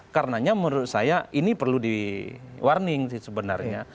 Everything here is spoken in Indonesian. karenanya menurut saya ini perlu di warning sih sebenarnya